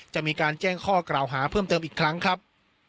จะมีการแจ้งข้อกล่าวหาเพิ่มเติมอีกครั้งครับ